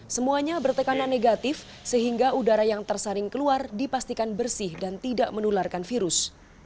semuanya bertekanan negatif sehingga udara yang tersaring keluar dipastikan bersih dan tidak menularkan virus